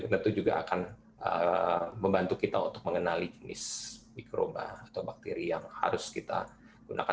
tentu juga akan membantu kita untuk mengenali jenis mikroba atau bakteri yang harus kita gunakan